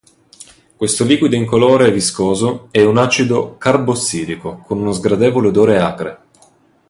Questo liquido incolore e viscoso è un acido carbossilico con uno sgradevole odore acre.